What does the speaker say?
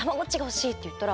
って言ったら。